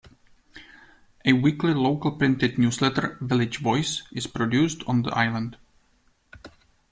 A weekly local printed newsletter, "Village Voice", is produced on the island.